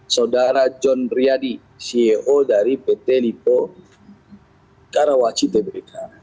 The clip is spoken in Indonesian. saudara john riyadi ceo dari pt lipo karawaci tbk